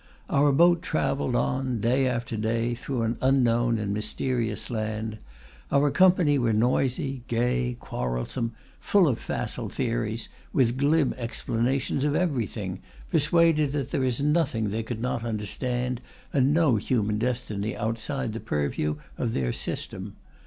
Our boat travelled on, day after day, through an unknown and mysterious land. Our company were noisy, gay, quarrelsome, full of facile theories, with glib explanations of everything, persuaded that there is nothing they could not understand and no human destiny outside the purview of their system.